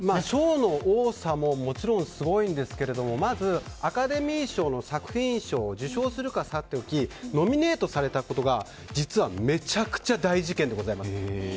賞の多さももちろんすごいんですけどアカデミー賞の作品賞を受賞するかはさておきノミネートされたことが実はめちゃくちゃ大事件でございます。